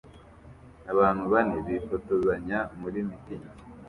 Abantu bane bifotozanya muri mitingi